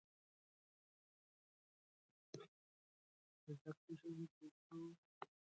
زده کړه ښځه د پیسو مدیریت زده کړی.